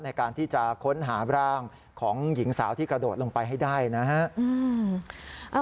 ในการที่จะค้นหาร่างของหญิงสาวที่กระโดดลงไปให้ได้นะฮะ